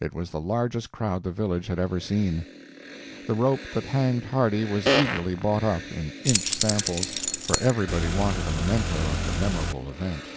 It was the largest crowd the village had ever seen. The rope that hanged Hardy was eagerly bought up, in inch samples, for everybody wanted a memento of the memorable event.